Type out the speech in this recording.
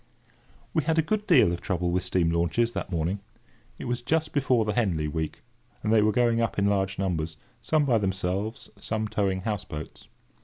We had a good deal of trouble with steam launches that morning. It was just before the Henley week, and they were going up in large numbers; some by themselves, some towing houseboats.